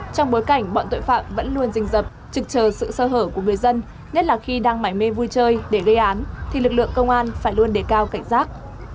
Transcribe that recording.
trong bối cảnh bọn tội phạm vẫn luôn rình rập trực chờ sự sơ hở của người dân nhất là khi đang mải mê vui chơi để gây án thì lực lượng công an phải luôn đề cao cảnh giác